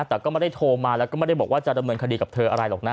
แต่ก็ไม่ได้โทรมาแล้วก็ไม่ได้บอกว่าจะดำเนินคดีกับเธออะไรหรอกนะ